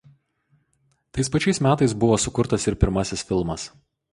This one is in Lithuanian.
Tais pačiais metais buvo sukurtas ir pirmasis filmas.